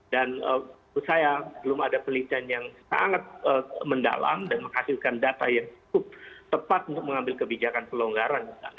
dan saya belum ada pelitian yang sangat mendalam dan menghasilkan data yang cukup tepat untuk mengambil kebijakan pelonggaran